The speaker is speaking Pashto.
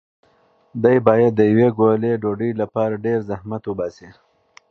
دی باید د یوې ګولې ډوډۍ لپاره ډېر زحمت وباسي.